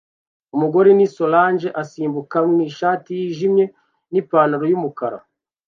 Umugore ni solange asimbuka mwishati yijimye nipantaro yumukara